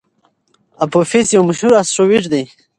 اپوفیس یو مشهور اسټروېډ دی.